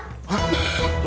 iya enggak tahu